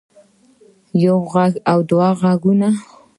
يو غوږ او دوه غوږونه